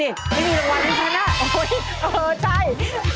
ไม่มีรางวัลอยู่ข้างหน้าโอ๊ยเออใช่